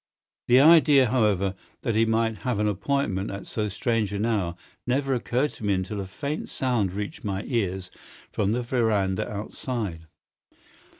The idea, however, that he might have an appointment at so strange an hour never occurred to me until a faint sound reached my ears from the veranda outside.